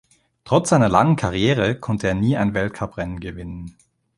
Trotz seiner langen Karriere konnte er nie ein Weltcuprennen gewinnen.